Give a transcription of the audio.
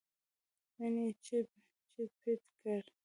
نن یې چیت پیت کړ.